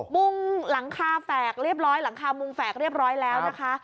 มุ่งหลังคาแฝกเรียบร้อยหลังคามุงแฝกเรียบร้อยแล้วนะคะ